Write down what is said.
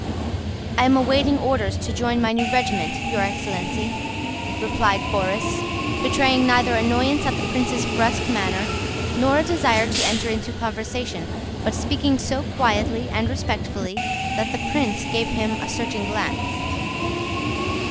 "I am awaiting orders to join my new regiment, your excellency," replied Borís, betraying neither annoyance at the prince's brusque manner nor a desire to enter into conversation, but speaking so quietly and respectfully that the prince gave him a searching glance.